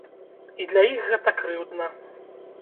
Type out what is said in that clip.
І для іх гэта крыўдна.